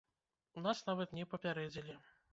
Нас нават не папярэдзілі!